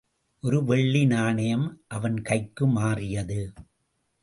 ஒரு வெள்ளி நாணயம் அவன் கைக்கு மாறியது.